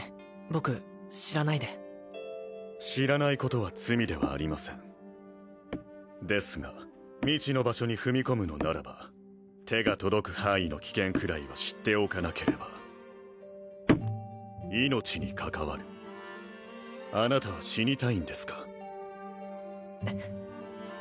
僕知らないで知らないことは罪ではありませんですが未知の場所に踏み込むのならば手が届く範囲の危険くらいは知っておかなければ命に関わるあなたは死にたいんですか？